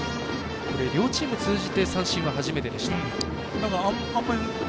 両チーム通じて三振は初めてでした。